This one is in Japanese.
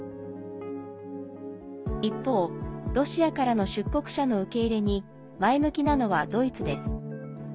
一方、ロシアからの出国者の受け入れに前向きなのはドイツです。